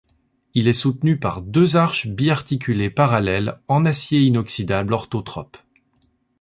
Il est soutenu par deux arches bi-articulées parallèles en acier inoxydable orthotrope.